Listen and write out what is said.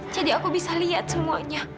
jadi aku bisa lihat semuanya